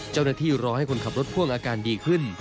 เจ้าณาที่รอให้คนขับรถพ่วงอาการดีขึ้น